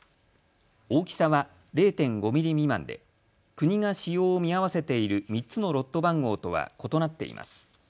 大きさは０．５ミリ未満で国が使用を見合わせている３つのロット番号とは異なっています。